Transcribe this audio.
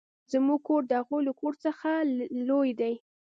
زموږ کور د هغوې له کور څخه لوي ده.